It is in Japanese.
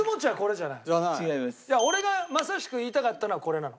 じゃあ俺がまさしく言いたかったのはこれなの。